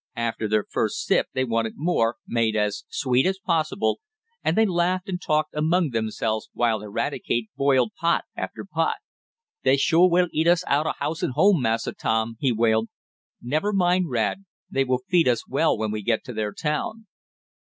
After their first sip they wanted more, made as sweet as possible, and they laughed and talked among themselves while Eradicate boiled pot after pot. "Dey suah will eat us out of house an' home, Massa Tom," he wailed. "Never mind, Rad. They will feed us well when we get to their town."